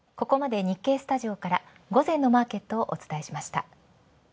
ここまで日経スタジオから午前のマーケットをお伝えしました。